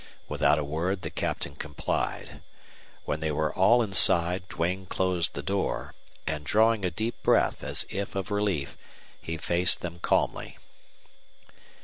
Without a word the Captain complied. When they were all inside Duane closed the door, and, drawing a deep breath as if of relief, he faced them calmly.